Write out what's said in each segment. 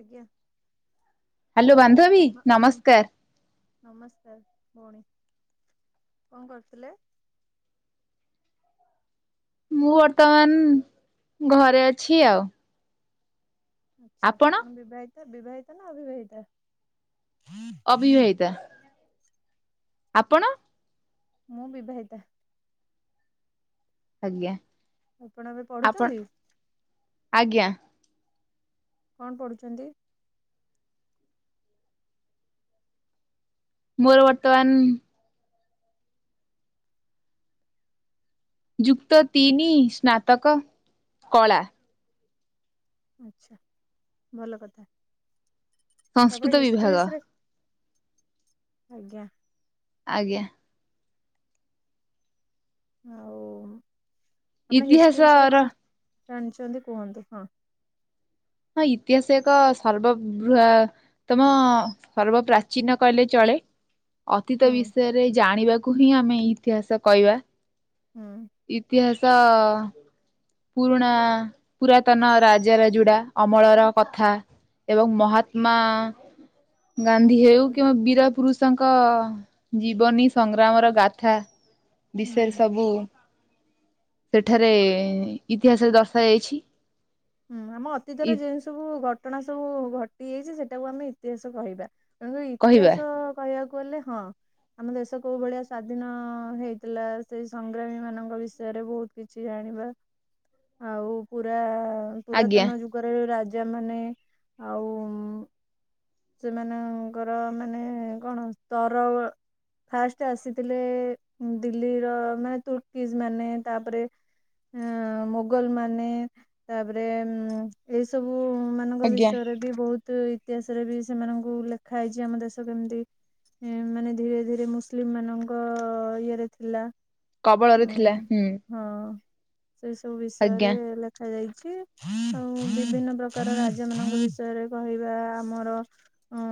ଆଜ୍ଞା ହ୍ୟାଲୋ ବାନ୍ଧବୀ ନ- ନମ ନମସ୍କାର। ନମସ୍କାର ଭଉଣୀ କଣ କରୁଥିଲେ? ମୁଁ ବର୍ତ୍ତମାନ ଘରେ ଅଛି ଆଉ। ଆଛା ଆପଣ ବିବାହିତ ବିବାହିତା ନା ଅବିବାହିତା? ଅବିବାହିତା। ଆପଣ? ମୁଁ ବିବାହିତା। ଆଜ୍ଞା। ଆପଣ ଏବେ ଆପଣ ପଢ଼ୁଛନ୍ତି? ଆଜ୍ଞା। କଣ ପଢ଼ୁଛନ୍ତି? ମୋର ବର୍ତମାନ ଯୁକ୍ତ ତିନି ସ୍ନାତକ କଳା। ଆଛା ଭଲ କଥା ସଂସ୍କୃତ ଆପଣ ହିଷ୍ଟ୍ରି ବିଭାଗ ବିଷୟରେ ଆଜ୍ଞା। ଆଜ୍ଞା। ଆଉ ଆପଣ ହିଷ୍ଟ୍ରି ବିଷୟରେ ଇତିହାସର କଣ ଜାଣିଛନ୍ତି କୁହନ୍ତୁ ହଁ? ହଁ ଇତିହାସ ଏକ ସର୍ବବୃହ ତମ ସର୍ବ ପ୍ରାଚୀନ କହିଲେ ଚଳେ। ଅତୀତ ହୁଁ ବିଷୟରେ ଜାଣିବାକୁ ହିଁ ଆମେ ଇତିହାସ କହିବା। ହଁ। ଇତିହାସ ପୁରୁଣା ପୁରାତନ ରାଜା ରାଯୁଡା ଅମଳର କଥା। ଏବଂ ମହାତ୍ମା ଗାନ୍ଧୀ ହେଉ କିବା ବୀରା ପୁରୁଷ ଷଙ୍କ ଜୀବନୀ ସଂଗ୍ରାମର ଗାଥା ହୁଁ ବିଷୟରେ ସବୁ ସେଠାରେ ଇତିହାସରେ ଦର୍ସା ଯାଇଛି। ହୁଁ ଆମ ଅତୀତରେ ଯେଉଁ ସବୁ ଘଟଣା ସବୁ ଘଟିଯାଇଛି ସେଟାକୁ ଆମେ ଇତିହାସ କହିବା। କାରଣ କହିବା ଇତିହାସ କହିବାକୁ ଗଲେ ହଁ। ଆମ ଦେଶ କୋଉ ଭଳିଆ ସ୍ଵାଧୀନ ହେଇଥିଲା ସେଇ ସଂଗ୍ରାମୀ ମାନଙ୍କ ବିଷୟରେ ବହୁତ କିଛି ଜାଣିବା ଆଉ ପୁରା ଆଜ୍ଞା ପୁରାତନ ଯୁଗରେ ରାଜା ମାନେ ଆଉ ସେମାନଙ୍କର ମାନେ କଣ ସ୍ତର ଫାଷ୍ଟ ଆସିଥିଲେ ଦିଲ୍ଲୀର ମାନେ ତୁର୍କିଜ ମାନେ ତାପରେ ଅଁ ମୋଗଲ ମାନେ ତାପରେ ମୁଁ ଏଇ ସବୁ ମାନେ ମାନଙ୍କ ଆଜ୍ଞା ବିଷୟରେ ବି ବହୁତ ଇତିହାସରେ ବି ସେମାନଙ୍କୁ ଲେଖା ହେଇଛି ଆମ ଦେଶ କେମିତି ଏଁ ମାନେ ଧୀରେ ଧୀରେ ମୁସଲିମମାନଙ୍କ ଇଏରେ ଥିଲା। କବଳରେ ଥିଲା ଉଁ ହୁଁ। ହଁ ସେଇ ସବୁ ବିଷୟରେ ଆଜ୍ଞା ଲେ ଦେଖାଯାଇଛି ଆଉ ବିଭିନ୍ନ ପ୍ରକାର ରାଜ୍ୟମାନଙ୍କ ବିଷୟରେ କହିବା ଆମର ଉଁ।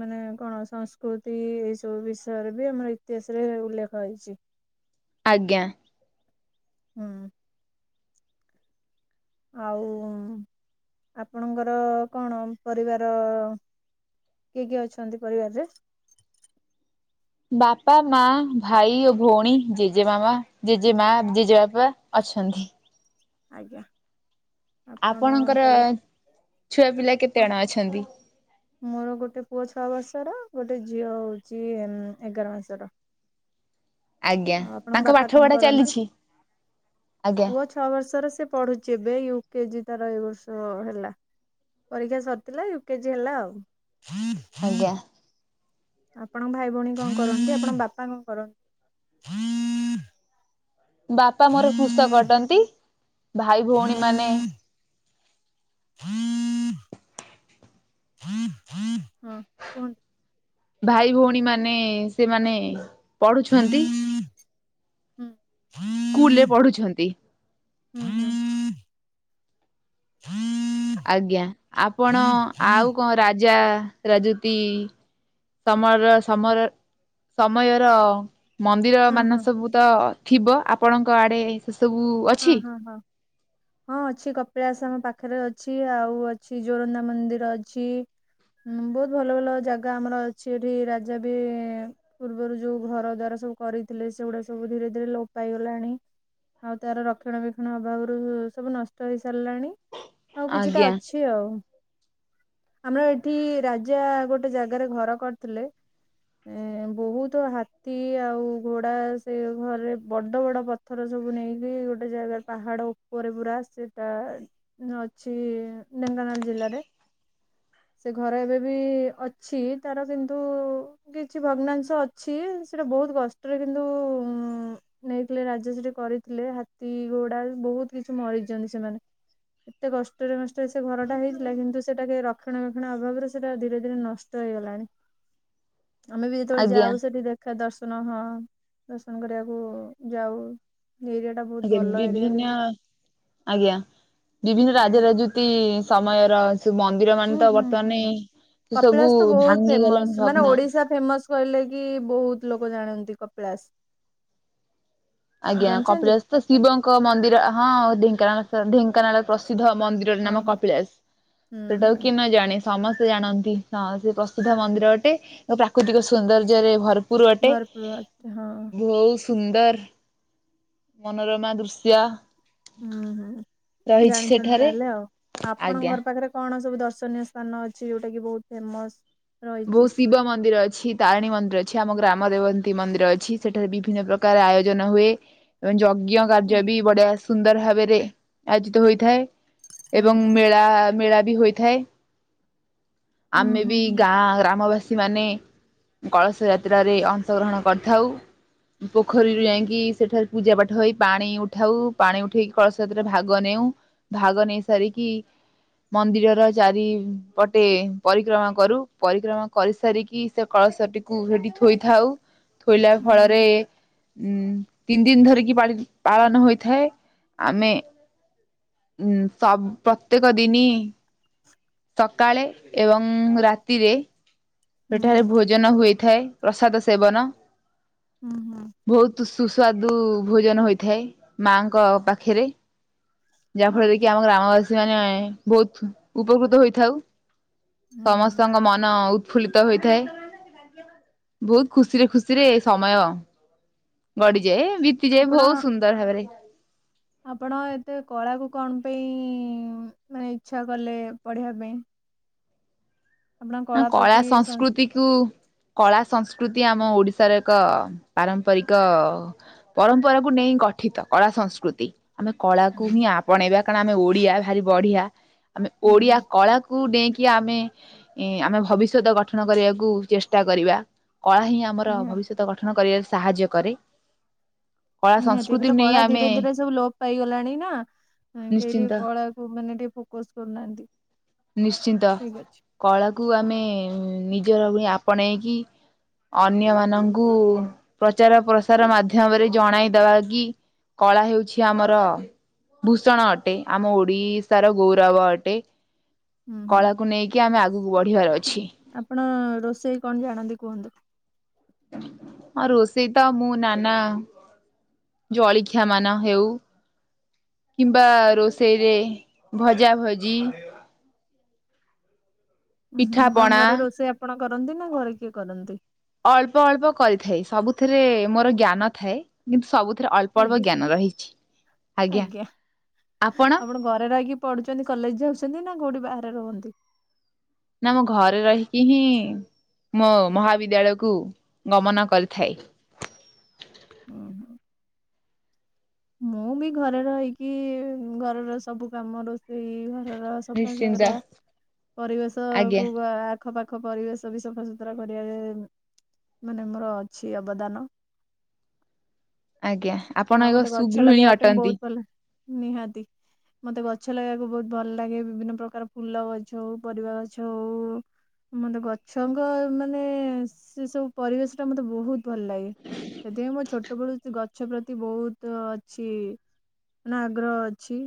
ମାନେ କଣ ସଂସ୍କୃତି ଏଇ ସବୁ ବିଷୟରେ ବି ଆମର ଇତିହାସରେ ଉଲ୍ଲେଖ ହେଇଛି। ଆଜ୍ଞା। ହୁଁ। ଆଉ ଆପଣଙ୍କର କଣ ପରିବାର କିଏ କିଏ ଅଛନ୍ତି ପରିବାରରେ? ବାପା ମା ଭାଇ ଓ ଭଉଣୀ ଜେଜେମାମା ଜେଜେମା ଜେଜେବାପା ଅଛନ୍ତି। ଆଜ୍ଞା। ଆପଣ ଆପଣଙ୍କର ତାହେଲେ ଛୁଆ ପିଲା କେତେଜଣ ଅଛନ୍ତି? ମୋର ଗୋଟେ ପୁଅ ଛଅ ବର୍ଷର ଗୋଟେ ଝିଅ ହଉଛି ଏଗାର ମାସର। ଆଜ୍ଞା ଆଉ ଆପଣଙ୍କ ତାଙ୍କ ବାପା ପାଠ କଣ ପଢା କରନ୍ତି ଚାଲିଛି ଆଜ୍ଞା ପୁଅ ଛଅ ବର୍ଷର ସେ ପଢ଼ୁଛି ଏବେ ୟୁ କେଜି ତାର ଏ ବର୍ଷ ହେଲା। ପରୀକ୍ଷା ସରିଥିଲା ୟୁକେଜି ହେଲା ଆଉ। ଆଜ୍ଞା। ଆପଣଙ୍କ ଭାଇ ଭଉଣୀ କଣ କରନ୍ତି ଆପଣଙ୍କ ବାପା କଣ କରନ୍ତି? ବାପା ମୋର କୃଷକ କୁହନ୍ତୁ। ଅଟନ୍ତି ଭାଇ ଭଉଣୀମାନେ ହୁଁ [inaudible] ହଁ କୁହନ୍ତୁ। ଭାଇ ଭଉଣୀମାନେ ସେମାନେ ପଢୁଛନ୍ତି। ହୁଁ। ସ୍କୁଲରେ ପଢୁଛନ୍ତି। [inaudible] [inaudible] ଆଜ୍ଞା ଆପଣ ଆଉ କଣ ରାଜା ରାଜୁତି ତମର ସମର ସମୟର ମନ୍ଦିରମାନ ସବୁ ତ ଥିବ ଆପଣଙ୍କ ଆଡେ ସେ ସବୁ ହଁ ଅଛି ହଁ ହଁ। ହଁ ଅଛି କପିଳାସ ଆମ ପାଖରେ ଅଛି ଆଉ ଅଛି ଜୋରନ୍ଦା ମନ୍ଦିର ଅଛି। ହଁ ବହୁତ ଭଲ ଭଲ ଜାଗା ଆମର ଅଛି ଏଠି ରାଜା ବି ପୂର୍ବରୁ ଯୋଉ ଘର ଦ୍ୱାର ସବୁ କରିଥିଲେ ସେଗୁଡା ସବୁ ଧୀରେ ଧୀରେ ଲୋପ ପାଇଗଲାଣି। ଆଉ ତାର ରକ୍ଷଣା ବେକ୍ଷଣ ଅଭାବରୁ ସବୁ ନଷ୍ଟ ହେଇ ସାରିଲାଣି ଆଉ କିଛିଟା ଆଜ୍ଞା ଅଛି। ଛି ଆଉ ଆମର ଏଠି ରାଜା ଗୋଟେ ଜାଗାରେ ଘର କରିଥିଲେ। ଏ ବହୁତ ହାତୀ ଆଉ ଘୋଡା ସେ ଘରେ ବଡ ବଡ ପଥର ସବୁ ନେଇ ଗୋଟେ ଜାଗା ପାହାଡ ଉପରେ ପୁରା ସେଟା ଅଛି ଢେଙ୍କାନାଳ ଜିଲ୍ଲାରେ। ସେ ଘରେ ଏବେ ବି ଅଛି ତାର କିନ୍ତୁ କିଛି ଭଗ୍ନାଂଶ ଅଛି ସେଟା ବହୁତ କଷ୍ଟରେ କିନ୍ତୁ ଉ ନେଇଥିଲେ ରାଜା ସେଠି କରିଥିଲେ ହାତୀ ଘୋଡା ବହୁତ କିଛି ମରିଛନ୍ତି ସେମାନେ ଏତେ କଷ୍ଟରେ କଷ୍ଟରେ ସେ ଘରଟା ହେଇଥିଲା କିନ୍ତୁ ସେଟା କେ ରକ୍ଷଣା ବକ୍ଷଣା ଅଭାବରେ ସେଟା ଧୀରେ ଧୀରେ ନଷ୍ଟ ହେଇଗଲାଣି। ଆମେ ବି ଯେତେବେଳେ ଆଜ୍ଞା ଯାଉ ସେଠି ଦେଖା ଦର୍ଶନ ହଁ ଦର୍ଶନ କରିବାକୁ ଯାଉ। ନେଇଯା ବି ବିଭିନ୍ନ ଆଜ୍ଞା ବିଭିନ୍ନ ହୁଁ ରାଜ ରାଜୁ ତି ସମୟର ସେ ହୁଁ ମନ୍ଦିରମାନେତ ହୁଁ। ହୁଁ ବର୍ତ୍ତମାନ ସେ ସବୁ କପିଳାସ ତ ଭାଙ୍ଗି ଗଲାଣି ଭଗନା କହିଲେକି ବହୁତ୍ ଲୋକ ଜାଣନ୍ତି କପିଳାସ। ଆଜ୍ଞା ଜାଣିଛନ୍ତି? କପିଳାସତ ଶିବଙ୍କ ମନ୍ଦିର ହଁ ଢେଙ୍କାନାଳ ଢେଙ୍କାନାଳ ପ୍ରସିଦ୍ଧ ମନ୍ଦି ଯରି ହଁ ନାମ ହଁ ହୁଁ କପିଳାସ ସେଟାକୁ ହୁଁ କିଏ ନଜାଣେ। ସମସ୍ତେ ଜାଣନ୍ତି ହଁ ସେ ପ୍ରସିଦ୍ଧ ମନ୍ଦିର ଅଟେ ପ୍ରାକୃତିକ ସୌନ୍ଦର୍ଯ୍ୟରେ ଭର ପୁରୁ ଅଟେ ଭରପୁର ଅଛି ହଁ ଭୋଉ ସୁନ୍ଦର ମନୋରମା ଦୃଶ୍ୟ ହୁଁ ହୁଁ ରହିଛି ଜାଣିଛନ୍ତି ସେଠାରେ ତାହେଲେ ଆଉ ଆପଣଙ୍କ ଆଜ୍ଞା। ଘର ପାଖରେ କଣ ସବୁ ଦର୍ଶନୀୟ ସ୍ଥାନ ଅଛି ଯୋଉଟାକି ବହୁତ୍ ଫେମସ୍? ରହିଛି ବହୁତ୍ ଶିବ ମନ୍ଦିର ଅଛି। ତାରିଣୀ ମନ୍ଦିର ଅଛି ଆମ ଗ୍ରାମ ଦେବନ୍ତୀ ମନ୍ଦିର ଅଛି ସେଠାରେ ବିଭିନ୍ନ ପ୍ରକାର ଆୟୋଜନ ହୁଏ। ଏବଂ ଯଜ୍ଞ ହୁଁ କାର୍ଯ୍ୟବି ବଢ଼ିଆ ସୁନ୍ଦର ଭାବରେ ଆୟୋଜିତ ହୋଇଥାଏ। ହୁଁ ଏବଂ ହୁଁ ମେଳା ମେଳାବି ହୋଇଥାଏ।। ହୁଁ ଆମେବି ହୁଁ ଗାଁ ଗ୍ରାମବାସୀ ମାନେ କଳସ ଯାତ୍ରାରେ ଅଂଶ ଗ୍ରହଣ କରିଥାଉ ହୁଁ ପୋଖରୀରୁ ଯାଇଙ୍କି ସେଠାରେ ପୂଜା ପାଠ ହେଇ ପାଣି ଉଠାଉ ପାଣି ଉଠେଇକି କଳସ ଯାତ୍ରାରେ ଭାଗ ନେଉ। ଭାଗ ନେଇ ସାରିକି ମନ୍ଦିରର ଚାରି ପଟେ ପରିକ୍ରମା କରୁ ପରିକ୍ରମା କରିସାରିକି ସେ କଳସଟିକୁ ହେଠି ଥୋଇଥାଉ। ଥୋଇଲା ହୁଁ ହୁଁ ଫଳରେ ହୁଁ। ଉଁ ତିନି ଦିନ ଧରିକି ପାଳି ପାଳନ ହୋଇଥାଏ ଆମେ ଉଁ ସବ ପ୍ରତ୍ୟେକ ଦିନି ସକାଳେ ଏବଂ ରାତିରେ ହୁଁ ହୁଁ ସେଠାରେ ହୁଁ ଭୋଜନ ହୋଇଥାଏ ପ୍ରସାଦ ସେବନ ହୁଁ ହୁଁ। ଭୋଉତ୍ ସୁସ୍ୱାଦୁ ଭୋଜନ ହୋଇଥାଏ ମାଙ୍କ ପାଖରେ। ଯାହା ହଁ ଫଳରେକି ଆମ ଗ୍ରାମବାସୀ ମାନେ ବହୁତ୍ ଉପକୃତ ହୋଇଥାଉ ହୁଁ ସମ ହୁଁ ସ୍ତଙ୍କ ମନ ଉତ୍ଫୁଲ୍ଲିତ ହୋଇଥାଏ। ବହୁତ୍ ଖୁସିରେ ଖୁସିରେ ସମୟ ଗଡ଼ିଯାଏ ଏବି ବିତି ଯାଏ ଆପଣ ବହୁତ୍ ସୁନ୍ଦର ଭାବରେ। ଆପଣ ଏତେ କଳାକୁ କଣ ପାଇଁ ମାନେ ଇଚ୍ଛା କଲେ ପଢ଼ିବା ପାଇଁ? ଆପଣ ନା କଳା ପ୍ରତି ସଂ ସଂସ୍କୃତି ତୁ କଳା ସଂସ୍କୃତି ଆମ ଓଡ଼ିଶାର ଏକ ପାରମ୍ପରିକ ପରମ୍ପରାକୁୁ ନେଇ ଗଠିତ କଳା ସଂସ୍କୃତି। ଆମେ ହୁଁ କଳାକୁହିଁ ଆପଣେଇବା କାରଣ ଆମେ ଓଡ଼ିଆ ଭାରି ବଢ଼ିଆ ଆମେ ହୁଁ ଓଡ଼ିଆ କଳା କୁ ଡେଇଁକି ଆମେ ଏଁ ଆମେ ଭବିଷ୍ୟତ ଗଠନ କରିବାକୁ ଚେଷ୍ଟା କରିବା କଳାହିଁ ଆମର ନିହାତି। ଭବିଷ୍ୟତ ଗ ଗଠନ କରିବାରେ ସାହାଯ୍ୟ କରେ। କଳା ନିହାତି ଏବେତ ସଂସ୍କୃତିକୁ ନେଇ କଳା ଆମେ ଧୀରେ ଧୀରେ ସବୁ ଲୋପ୍ ପାଇଗଲାଣି ନା। କେହି ଟିକେ ନିଶ୍ଚିନ୍ତ କଳାକୁ ମାନେ ଟିକେ ଫୋକସ୍ କରୁନାହାନ୍ତି। ନିଶ୍ଚିନ୍ତ ଠିକ ଅଛି। କଳାକୁ ଆମେ ନିଜର ବୋଲି ଆପଣେଇକି ଅନ୍ୟ ମାନଙ୍କୁ ପ୍ରଚାର ପ୍ରସାର ମାଧ୍ୟମରେ ଜଣାଇଦବା କି କଳା ହେଉଛି ଆମର ଭୂଷଣ ଅଟେ ଆମ ଓଡ଼ିଶାର ଗୌରବ ଅଟେ। ହୁଁ ହୁଁ କଳାକୁ ନେଇକି ଆମେ ଆଗକୁ ବଢ଼ିବାର ଅଛି। ଆପଣ ରୋଷେଇ କଣ ଜାଣନ୍ତି କୁହନ୍ତୁ? ଆଁ ରୋଷେଇ ତ ମୁଁ ନାନା ଜଳିଖିଆ ମାନ ହେଉ। କିମ୍ବା ରୋଷେଇରେ ଭଜା ଭଜି ଉଁ ହୁଁ ପିଠା ଆପଣଙ୍କ ପଣା ଘରେ ରୋଷେଇ ଆପଣ କରନ୍ତି ନା ଘରେ କିଏ କରନ୍ତି? ଅଳ୍ପ ଅଳ୍ପ କରିଥାଏ ସବୁଥିରେ ମୋର ଜ୍ଞାନ ଥାଏ। କିନ୍ତୁ ସବୁଥିରେ ଅଳ୍ପ ଅଳ୍ପ ଆଜ୍ଞା ଜ୍ଞାନ ରହିଛି। ଆଜ୍ଞା ଆପଣ ଘରେ ରହିକି ପଢ଼ୁଛନ୍ତି କଲେଜ୍‌ ଯାଉଛନ୍ତି ନା କୋଉଠି ବାହାରେ ରୁହନ୍ତି? ନା ମୁଁ ଘରେ ରହିକି ହିଁ ମୋ ମହାବିଦ୍ୟାଳୟକୁ ଗମନ କରିଥାଏ। ହୁଁ ହୁଁ। ମୁଁ ବି ଘରେ ରହିକି ଘରର ସବୁ କାମ ରୋଷେଇ ଘରର ନିଶ୍ଚିନ୍ତ ସଫାସତୁରା ପରିବେଶ ଆଜ୍ଞା କୁ ଗା ଆଖପାଖ ପରିବେଶ ବି ସଫାସୁତୁରା କରିବାରେ ମାନେ ମୋର ଅଛି ଅବଦାନ। ଆଜ୍ଞା ଆଉ ଆପଣ ଏକ ମତେ ସୁ ଗଛ ଲଗେଇ ପାଇଁ ବହୁତ ଭଲ। ମତେ ଗଛ ଲଗେଇବାକୁ ବହୁତ ଭଲ ଲାଗେ ବିଭିନ୍ନ ପ୍ରକାର ଫୁଲ ଗଛ ହୋଉ ପରିବା ଗଛ ହୋଉ। ମୋତେ ଗଛଙ୍କ ମାନେ ସେ ସବୁ ପରିବେଶ ଟା ମତେ ବହୁତ ଭଲ ଲାଗେ। ସେଥିପାଇଁ ମୋ ଛୋଟବେଳୁ ଗଛ ପ୍ରତି ବହୁତ ସିଏ ମାନେ ଆଗ୍ରହ ଅଛି।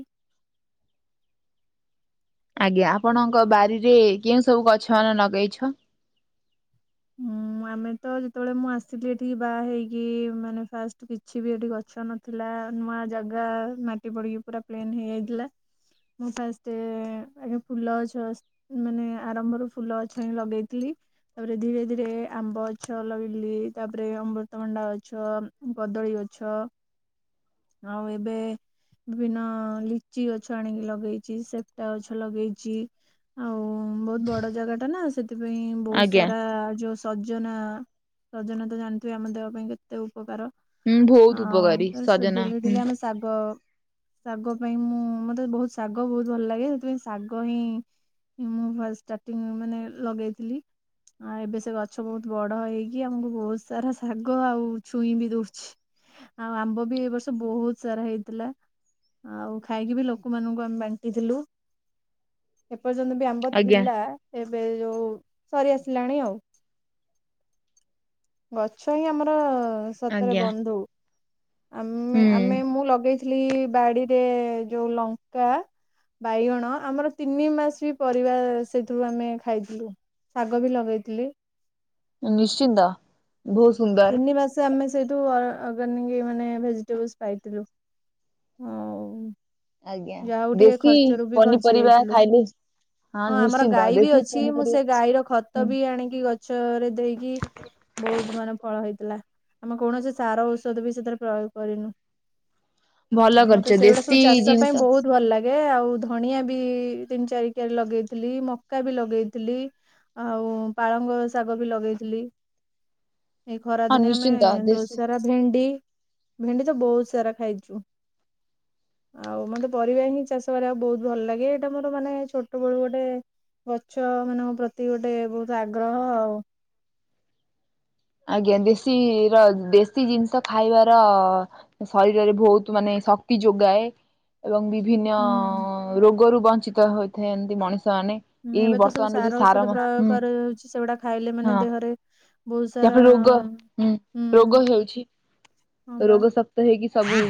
ଆଜ୍ଞା ଆପଣଙ୍କ ବାରିରେ କେଉଁ ସବୁ ଗଛ ମାନ ଲଗେଇଛ? ହୁଁ। ଆମେ ତ ଯେତେବେଳେ ମୁଁ ଆସଥିଲି ଏଠିକି ବାହା ହେଇକି ମାନେ ଫାଷ୍ଟ କିଛି ବି ଏଠି ଗଛ ନ ଥିଲା ନୂଆ ଜାଗା ମାଟି ପଡିକି ପୁରା ପ୍ଲେନ ହେଇଯାଇଥିଲା। ମୁଁ ଫାଷ୍ଟ ଆଗ ଫୁଲ ଗଛ ମାନେ ଆରମ୍ଭରୁ ଫୁଲ ଗଛ ହିଁ ଲଗେଇଥିଲି। ତାପରେ ଧୀରେ ଧୀରେ ଆମ୍ବ ଗଛ ଲଗେଇଲି ତାପରେ ଅମୃତଭଣ୍ଡା ଗଛ କଦଳୀ ଗଛ। ଆଉ ଏବେ ବିଭିନ୍ନ ଲିଚି ଗଛ ଆଣିକି ଲଗେଇଛି ସେପ୍ଟା ଗଛ ଲଗେଇଛି। ଆଉ ବହୁତ ବଡ ଜାଗା ଟା ନା ସେଠି ସେଥିପାଇଁ ବହୁତ ଆଜ୍ଞା ସାରା ଯୋଉ ସଜନା ସଜନା ତ ଜାଣିଥିବେ ଆମ ଦେହ ପାଇଁ ଏତେ ଉପକାର ହୁଁ ବହୁତ ଆଉ ଉପକାରୀ ତ ସେ ସଜନା ଡେଲି ହୁଁ ଡେଲି ଆମେ ସା ଶ ଶାଗ ପାଇଁ ମୁଁ ମତେ ବହୁତ ଶାଗ ବହୁତ ଭଲ ଲାଗେ ସେଥିପାଇଁ ଶାଗ ହିଁ ମୁଁ ଫାଷ୍ଟ ଷ୍ଟାର୍ଟିଂ ମାନେ ଲଗେଇଥିଲି। ଆଉ ଏବେ ସେ ଗଛ ବହୁତ ବଡ ହେଇକି ଆମକୁ ବହୁତ ସାରା ଶାଗ ଆଉ ଛୁଇଁ ବି ଦଉଛି। ଆଉ ଆମ୍ବ ବି ଏ ବର୍ଷ ବହୁତ ସାରା ହେଇଥିଲା। ଆଉ ଖାଇକି ବି ଲୋକମାନଙ୍କୁ ଆମେ ବାଣ୍ଟିଥିଲୁ ଏପର୍ଯ୍ୟନ୍ତ ବି ଆମେ ଆଜ୍ଞା ଥିଲା ଏବେ ଯୋଉ ସରି ହେଲାଣି ଆଉ ଗଛ ହିଁ ଆମର ସତରେ ଆଜ୍ଞା ବନ୍ଧୁ ଆମେ ହୁଁ ଆମେ ମୁଁ ଲଗେଇ ଖାଲି ବାଡିରେ ଯୋଉ ଲଙ୍କା। ବାଇଗଣ ଆମର ତିନି ମାସ ବି ପରିବା ସେଥିରୁ ଆମେ ଖାଇଥିଲୁ। ଶାଗ ବି ଲଗେଇଥିଲି। ନିଶ୍ଚିତ। ବହୁତ ସୁନ୍ଦର ତିନି ମାସେ ଆମେ ସେଇଠୁ ଅଗାନିକି ମାନେ ଭେଜିଟେବଲସ ଖାଇଥିଲୁ। ହଉ ଆଜ୍ଞା ଯାହା ହଉ ଟିକେ ଦେଶୀ ଖର୍ଚ୍ଚରୁ ବି ବଞ୍ଚି ପନିପରିବା ଯାଇଥିଲୁ। ଖାଇଲେ ହଁ, ଆମର ନିଶ୍ଚିନ୍ତ ଗାଈ ବି ଦେଶୀ ଅଛି। ମୁଁ ସେ ପନିପରିବା ଗାଈର ଖତ ହୁଁ ବି ଆଣିକି ଗଛରେ ଦେଇକି ବହୁତ ମାନେ ଫଳ ହେଇଥିଲା ଆମେ କୌଣସି ସାର ଔଷଧ ବି ସେଥିରେ ପ୍ରୟୋଗ କରିନୁ। ଭଲ ଆଉ କରିଛ ମତେ ସେଇଗୁଡା ଦେଶୀ ସବୁ ଚାଷ ଜିନିଷ ପାଇଁ ବହୁତ ଭଲ ଲାଗେ। ଆଉ ଧଣିଆ ବି ତିନି ଚାରିିକିଆର ଲଗେଇଥିଲି, ମକା ବି ଲଗେଇଥିଲି। ଆଉ ପାଳଙ୍ଗ ଶାଗ ବି ଲଗେଇଥିଲି। ଏଇ ଖରା ହଁ ଦିନେ ଆମେ ନିଶ୍ଚିନ୍ତ ଦେଶୀ ଦୋସାରା ଭେଣ୍ଡି ଭେଣ୍ଡି ତ ବହୁତ ସାରା ଖାଇଛୁ। ଆଉ ମତେ ପରିବା ହିଁ ଚାଷ କରିବା ଆଉ ବହୁତ ଭଲ ଲାଗେ। ଏଇଟା ମୋର ମାନେ ଛୋଟ ବେଳୁ ଗୋଟେ ଗଛ ମାନଙ୍କ ପ୍ରତି ଗୋଟେ ବହୁତ ଆଗ୍ରହ ଆଉ। ଆଜ୍ଞା ଦେଶୀ ର ଦେଶୀ ଜିନିଷ ଖାଇବାର ଶରୀରରେ ବହୁତ ମାନେ ଶକ୍ତି ଯୋଗାଏ। ଏବଂ ବିଭିନ୍ନ ହୁଁ ରୋଗରୁ ବଞ୍ଚିତ ହୋଇଥାନ୍ତି ମଣିଷମାନେ। ହଁ, ଏବେ ତ ସବୁ ସାର ଔଷଧ ପ୍ରୟୋଗ କରାଯାଉଛି। ସେଗୁଡା ଖାଇଲେ ମାନେ ଦେହରେ ବହୁତ ଯାହା ସାରା ଫଳରେ ରୋଗ ହୁଁ ରୋଗ ହେଉଛି। ହଁ ବା ରୋଗ ଶ କ୍ତ ହେଇକି ସବୁ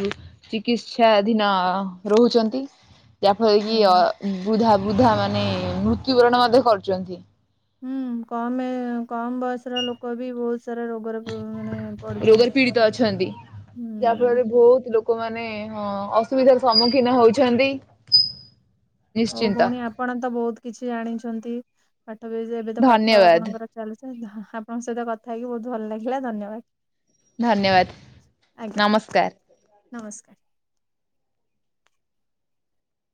ଚିକିତ୍ସାଧୀନ ରହୁଛନ୍ତି। ଯାହାଫଳରେ ହୁଁ କି ବୃଦ୍ଧା-ବୃଦ୍ଧା ମାନେ ମୃତ୍ୟୁବରଣ ମଧ୍ୟ କରୁଚନ୍ତି। ହୁଁ, କମ୍ ଏ କମ୍ ବୟସ ର ଲୋକ ବି ବହୁତ ସାରା ରୋ ରୋଗରେ ପୀଡିତ ଅଛନ୍ତି। ଯାହା ହୁଁ ଫଳରେ ବହୁତ ଲୋ କମାନେ ହଁ ଅସୁବିଧାର ସମ୍ମୁଖୀନ ହଉଛନ୍ତି। ହଉ ନିଶ୍ଚିନ୍ତ ଭଉଣୀ ଆପଣ ତ ବହୁତ୍ କିଛି ଜାଣିଛନ୍ତି, ପାଠ ବି ଏବେ ତ ପାଠ ଧନ୍ୟବାଦ ଆପଣଙ୍କର ଚାଲି [unintelligible] ଆପଣଙ୍କ ସହିତ କଥା ହେଇକି ବହୁତ ଭଲ ଲାଗିଲା ଧନ୍ୟବାଦ। ଧନ୍ୟବାଦ ନମସ୍କାର୍। ନମସ୍କାର୍।